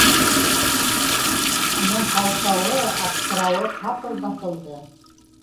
Уның ҡаушауы, аптырауы ҡапыл баҫылды.